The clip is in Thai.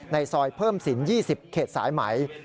ในซอยเพิ่มสิน๒๐เขตสายไหม